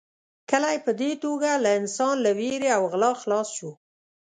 کلی په دې توګه له انسان له وېرې او غلا خلاص شو.